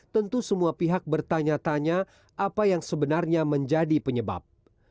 tentu semua pihak bertanya tanya apa yang sebenarnya menjadi penyebab